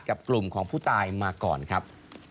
กับกลุ่มของผู้ตายมาก่อนครับ